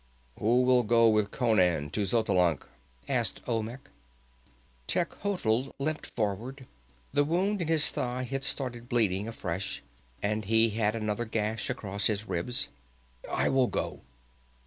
"Who will go with Conan to Xotalanc?" asked Olmec. Techotl limped forward. The wound in his thigh had started bleeding afresh, and he had another gash across his ribs. "I will go!"